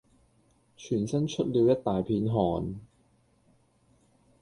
全身出了一大片汗。